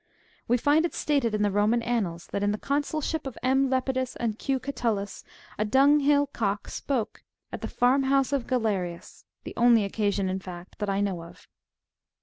We find it stated in the Eoman Annals, that in the^^ consul ship of M. Lepidus and Q. Catulus a dung hill cock spoke, at the farm house of Galerius ; the only occasion, in fact, that I know of.